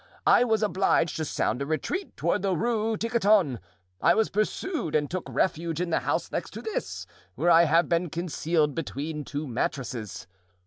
I was obliged to sound a retreat toward the Rue Tiquetonne; I was pursued and took refuge in the house next to this, where I have been concealed between two mattresses.